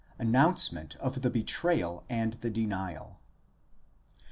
ANNOUNCEMENT OF THE BETRAYAL AND THE DENIAL.